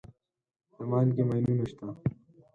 د مالګې ماینونه شته.